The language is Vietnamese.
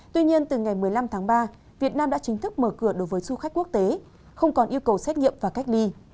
tuy nhiên từ ngày một mươi năm tháng ba việt nam đã chính thức mở cửa đối với du khách quốc tế không còn yêu cầu xét nghiệm và cách ly